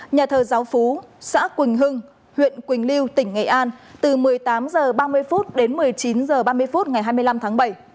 nhà thờ giáo phú xã quỳnh hưng huyện quỳnh lưu tỉnh nghệ an từ một mươi tám h ba mươi đến một mươi chín h ba mươi phút ngày hai mươi năm tháng bảy